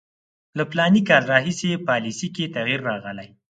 له فلاني کال راهیسې پالیسي کې تغییر راغلی.